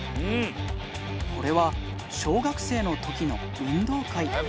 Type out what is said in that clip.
これは小学生のときの運動会。